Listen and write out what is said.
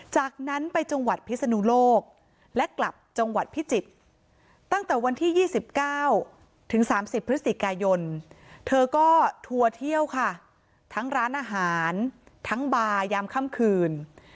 จากนั้นไปจังหวัดพิศนุโลกและกลับจังหวัดพิจิตรตั้งแต่วันที่๒๙ถึง๓๐พฤศจิกายนเธอก็ทัวร์เที่ยวค่ะทั้งร้านอาหารทั้งบาร์ยามค่ำคืน